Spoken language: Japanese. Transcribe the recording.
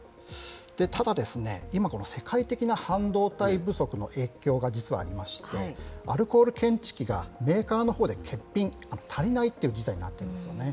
ただですね、今、この世界的な半導体不足の影響が実はありまして、アルコール検知器がメーカーのほうで欠品、足りないっていう事態になってるんですよね。